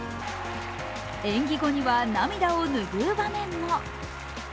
演技後には涙を拭う場面も。